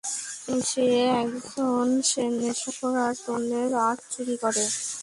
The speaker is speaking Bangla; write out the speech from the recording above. সে একজন নেশাখোর আর অন্যের আর্ট চুরি করে।